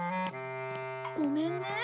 ごめんね。